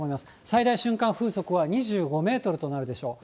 最大瞬間風速は２５メートルとなるでしょう。